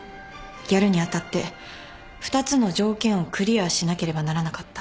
やるにあたって２つの条件をクリアしなければならなかった。